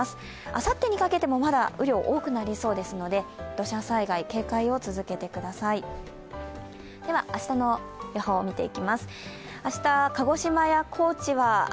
あさってにかけてもまだ雨量が多くなりそうですので、土砂災害、警戒を続けてください。